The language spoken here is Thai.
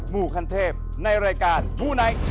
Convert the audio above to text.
หมู่ขั้นเทพในรายการมูไนท์